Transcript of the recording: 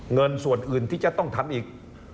เงินส่วนอื่นที่จะต้องทำอีก